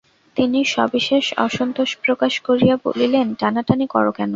তিনি সবিশেষ অসন্তোষ প্রকাশ করিয়া বলিলেন, টানাটানি কর কেন?